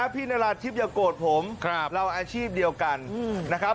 นราธิบอย่าโกรธผมเราอาชีพเดียวกันนะครับ